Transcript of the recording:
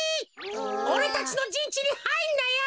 おれたちのじんちにはいんなよ！